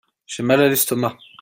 J'ai mal à l'estomac.